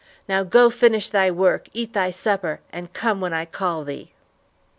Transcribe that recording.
Now, go, finish thy work, eat thy supper, and come when I call thee."